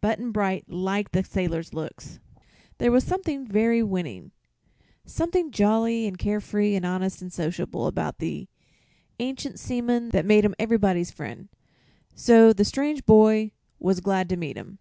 Button Bright liked the sailor's looks. There was something very winning something jolly and care free and honest and sociable about the ancient seaman that made him everybody's friend; so the strange boy was glad to meet him.